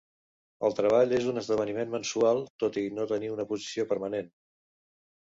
El "Treball" és un esdeveniment mensual, tot i no tenir una posició permanent.